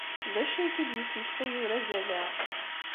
D acu ay ak-d-yesmektay urazal-a?